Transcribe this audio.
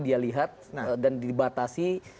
dia lihat dan dibatasi